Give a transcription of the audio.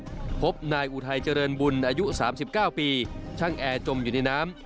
พบนายอุทัยเจริญบุญอายุ๓๙ปีช่างแอร์จมอยู่ในน้ำ